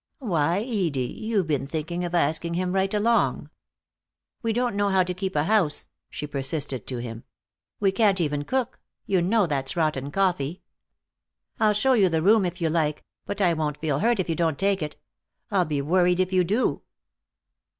"Why, Edie, you've been thinking of asking him right along." "We don't know how to keep a house," she persisted, to him. "We can't even cook you know that's rotten coffee. I'll show you the room, if you like, but I won't feel hurt if you don't take it, I'll be worried if you do."